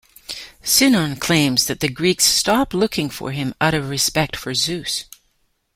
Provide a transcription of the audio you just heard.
Sinon claims that the Greeks stopped looking for him out of respect for Zeus.